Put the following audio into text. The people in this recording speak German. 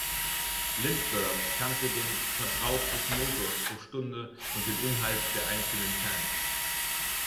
Lindbergh kannte den Verbrauch des Motors pro Stunde und den Inhalt der einzelnen Tanks.